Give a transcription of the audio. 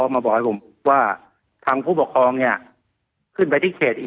แล้วบอกว่าวันจันทร์เนี้ยวันที่สิบห้า